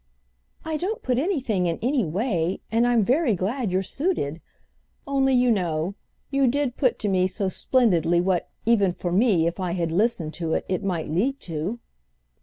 "I don't put anything in any 'way,' and I'm very glad you're suited. Only, you know, you did put to me so splendidly what, even for me, if I had listened to you, it might lead to."